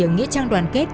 ở nghĩa trang đoàn kết